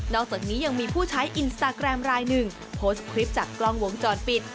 อกจากนี้ยังมีผู้ใช้อินสตาแกรมรายหนึ่งโพสต์คลิปจากกล้องวงจรปิด